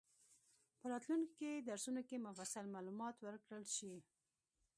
په راتلونکي درسونو کې مفصل معلومات ورکړل شي.